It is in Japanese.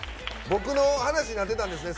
僕の話になってたんですね。